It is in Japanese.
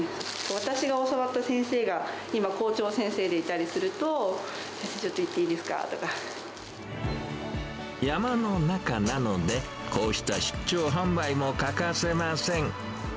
私が教わった先生が、今、校長先生でいたりすると、山の中なので、こうした出張販売も欠かせません。